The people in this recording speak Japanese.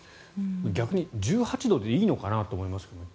逆に１８度でいいのかなと思いますけども。